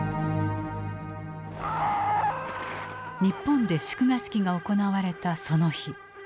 日本で祝賀式が行われたその日。